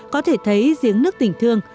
có thể thấy diễn nước tình thương